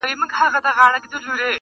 شپې یې ډېري تېرېدې په مېلمستیا کي.!